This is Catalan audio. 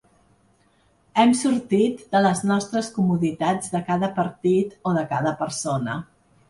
Hem sortit de les nostres comoditats de cada partit o de cada persona.